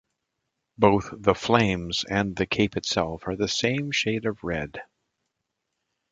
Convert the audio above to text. Both the "flames" and the cape itself are the same shade of red.